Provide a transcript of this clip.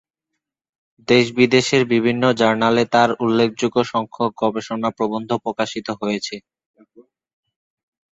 দেশ-বিদেশের বিভিন্ন জার্নালে তার উল্লেখযোগ্য সংখ্যক গবেষণা প্রবন্ধ প্রকাশিত হয়েছে।